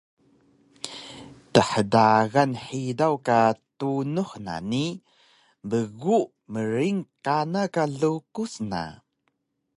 Thdagan hidaw ka tunux na ni bgu mring kana ka lukus na